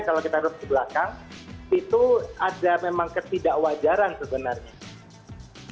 kalau kita lihat ke belakang itu ada memang ketidakwajaran sebenarnya